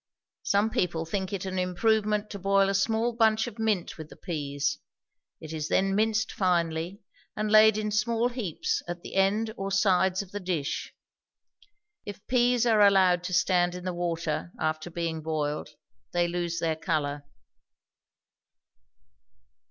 Some people think it an improvement to boil a small bunch of mint with the peas; it is then minced finely, and laid in small heaps at the end or sides of the dish. If peas are allowed to stand in the water, after being boiled, they lose their color.